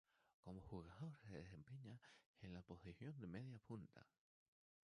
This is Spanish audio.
Como jugador se desempeñaba en la posición de mediapunta.